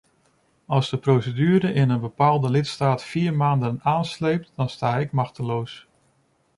Als de procedure in een bepaalde lidstaat vier maanden aansleept, dan sta ik machteloos.